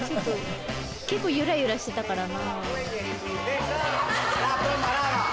結構ゆらゆらしてたからな。